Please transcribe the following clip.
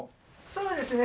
そうですね。